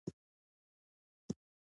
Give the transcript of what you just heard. هېواد د پاکو شهیدانو ځمکه ده